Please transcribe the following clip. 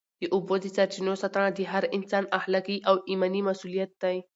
د اوبو د سرچینو ساتنه د هر انسان اخلاقي او ایماني مسؤلیت دی.